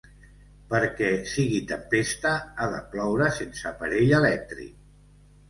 Perquè sigui tempesta, ha de ploure sense aparell elèctric.